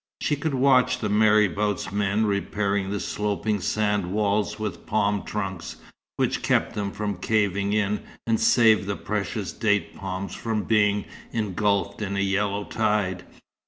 She could watch the marabout's men repairing the sloping sand walls with palm trunks, which kept them from caving in, and saved the precious date palms from being engulfed in a yellow tide.